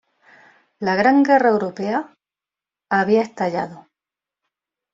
La Gran Guerra Europea había estallado.